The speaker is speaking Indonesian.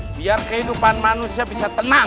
biar kehidupan manusia bisa tenang